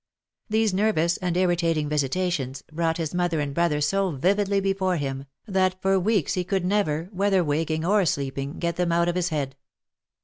These nervous and irritating visitations brought his mother and brother so vividly before him, that for weeks he could never, whether waking or sleeping, get them out of his head.